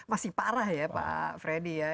masih parah ya pak freddy ya